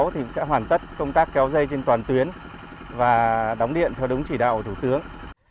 thì sẽ hoàn tất công tác kéo dây trên toàn tuyến và đóng điện theo đúng chỉ đạo của thủ tướng